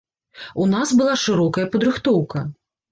У нас была шырокая падрыхтоўка.